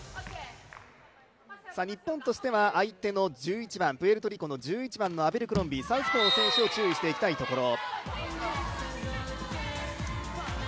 日本としては相手の１１番のアベルクロンビーサウスポーの選手を注意していきたいところ。